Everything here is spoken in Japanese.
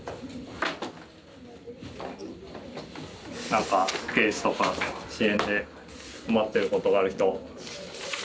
なんかケースとか支援で困ってることがある人。